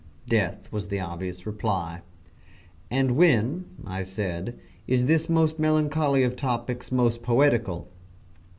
Death, was the obvious reply. "And when," I said, "is this most melancholy of topics most poetical?"